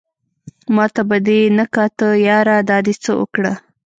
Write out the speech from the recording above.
ماته به دې نه کاته ياره دا دې څه اوکړه